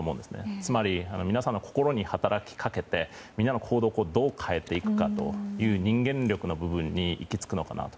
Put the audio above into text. つまり、皆さんの心に働きかけてみんなの行動をどう変えていくかという人間力の部分に行きつくのかなと。